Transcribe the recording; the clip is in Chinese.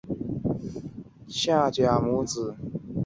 撒拉更怂其赶走夏甲母子。